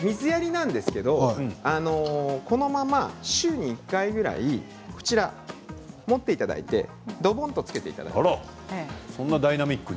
水やりですがこのまま週に１回ぐらい持っていただいてドボンとつけてダイナミックに。